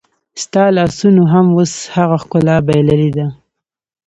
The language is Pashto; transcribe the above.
ستا لاسونو هم اوس هغه ښکلا بایللې ده